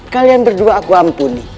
kalian berdua aku ampuni